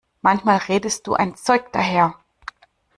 Manchmal redest du ein Zeug daher!